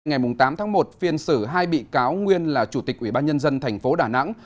ngày tám tháng một phiên xử hai bị cáo nguyên là chủ tịch ủy ban nhân dân thành phố đà nẵng